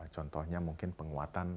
contohnya mungkin penguatan